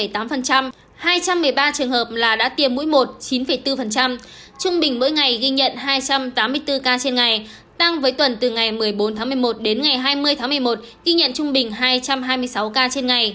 hai trăm một mươi ba trường hợp là đã tiêm mũi một chín bốn trung bình mỗi ngày ghi nhận hai trăm tám mươi bốn ca trên ngày tăng với tuần từ ngày một mươi bốn tháng một mươi một đến ngày hai mươi tháng một mươi một ghi nhận trung bình hai trăm hai mươi sáu ca trên ngày